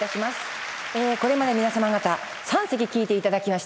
これまで皆様方３席聴いていただきまして